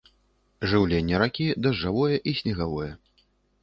Жыўленне ракі дажджавое і снегавое.